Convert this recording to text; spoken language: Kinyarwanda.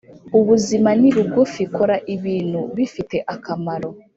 ubuzima ni bugufi. kora ibintu bifite akamaro.